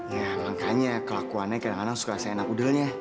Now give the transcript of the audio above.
ya makanya kelakuannya kadang kadang suka rasa enak udelnya